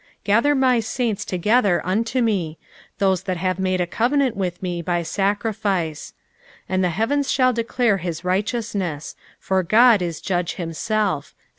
5 Gather my saints together unto me ; those that have made a covenant with me by sacrifice. 6 And the heavens shall declare his righteousness ; for God is judge himself.